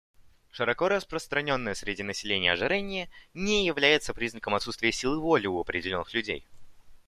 Широко распространенное среди населения ожирение не является признаком отсутствия силы воли у определенных людей.